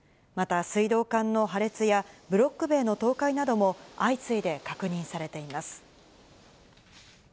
また、水道管の破裂や、ブロック塀の倒壊なども相次いで確認されています。